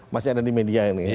masih ada di media ini